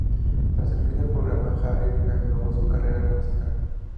Tras el fin del programa, Harris reavivó su carrera musical.